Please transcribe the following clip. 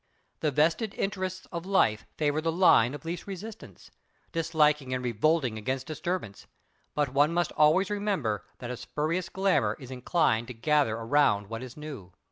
The vested interests of life favour the line of least resistance—disliking and revolting against disturbance; but one must always remember that a spurious glamour is inclined to gather around what is new.